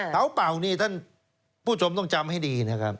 เผาเป่านี่ท่านผู้ชมต้องจำให้ดีนะครับ